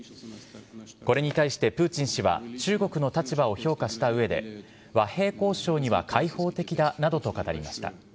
これに対してプーチン氏は、中国の立場を評価したうえで、和平交渉には開放的だなどと語りました。